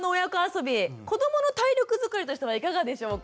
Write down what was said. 遊び子どもの体力づくりとしてはいかがでしょうか？